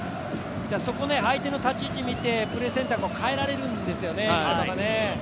相手の立ち位置見てプレーを変えられるんですよね。